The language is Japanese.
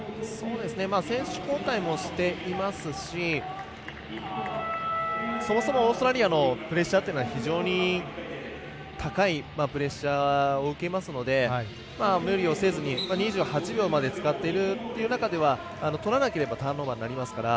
選手交代もしていますしそもそもオーストラリアのプレッシャーというのは非常に高いプレッシャーを受けますので無理をせずに２８秒まで使っているという中ではとらなければターンオーバーになりますから。